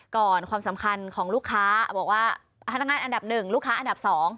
ความสำคัญของลูกค้าบอกว่าพนักงานอันดับ๑ลูกค้าอันดับ๒